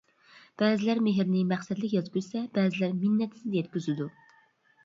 بەزىلەر مېھىرنى مەقسەتلىك يەتكۈزسە، بەزىلەر مىننەتسىز يەتكۈزىدۇ.